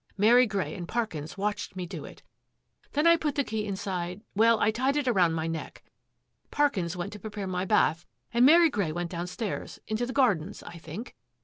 Mary Grey and Parkins watched me do it. Then I put the key inside — well, I tied it around my neck. Parkins went to prepare my bath and Mary Grey went downstairs — into the gardens, I think.